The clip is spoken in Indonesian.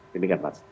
terima kasih mas